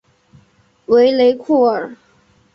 维雷库尔。